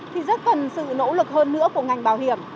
thì rất cần sự nỗ lực hơn nữa của ngành bảo hiểm